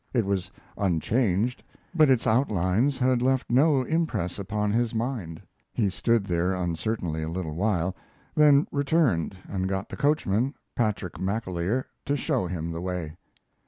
It was unchanged, but its outlines had left no impress upon his mind. He stood there uncertainly a little while, then returned and got the coachman, Patrick McAleer, to show him the way.